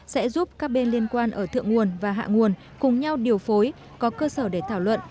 sẽ giúp các bên liên quan ở thượng nguồn và hạ nguồn cùng nhau điều phối có cơ sở để thảo luận